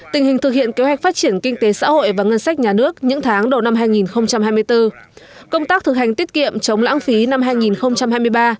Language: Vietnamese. tình hình thực hiện kế hoạch phát triển kinh tế xã hội và ngân sách nhà nước những tháng đầu năm hai nghìn hai mươi bốn công tác thực hành tiết kiệm chống lãng phí năm hai nghìn hai mươi ba